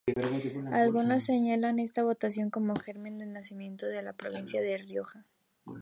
Algunos señalan esta votación como germen del nacimiento de la provincia de La Rioja.